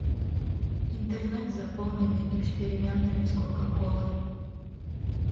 Інтэрнэт запоўнены эксперыментамі з кока-колай.